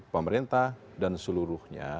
pemerintah dan seluruhnya